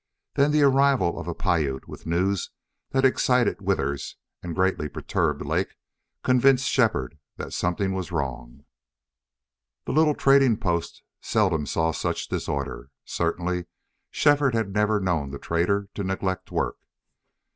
Then the arrival of a Piute with news that excited Withers and greatly perturbed Lake convinced Shefford that something was wrong. The little trading post seldom saw such disorder; certainly Shefford had never known the trader to neglect work.